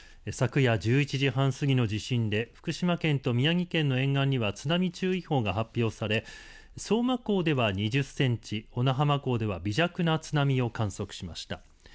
昨夜１１時半過ぎの地震で福島県と宮城県の沿岸には津波注意報が発表され相馬港では２０センチ小名浜港では微弱な津波を観測しました。